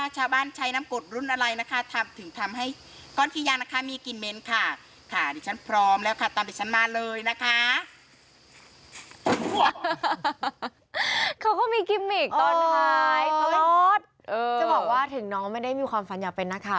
จะบอกว่าถึงน้องไม่ได้มีความฟัญญาเป็นนะคะ